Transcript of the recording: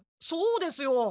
そうですよ。